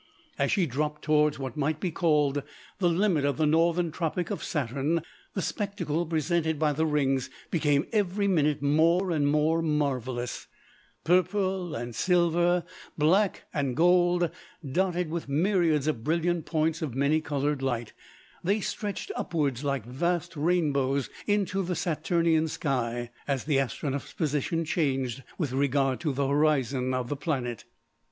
As she dropped towards what might be called the limit of the northern tropic of Saturn, the spectacle presented by the rings became every minute more and more marvellous purple and silver, black and gold, dotted with myriads of brilliant points of many coloured light, they stretched upwards like vast rainbows into the Saturnian sky as the Astronef's position changed with regard to the horizon of the planet.